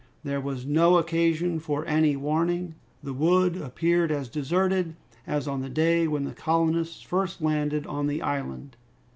There was no occasion for any warning. The wood appeared as deserted as on the day when the colonists first landed on the island.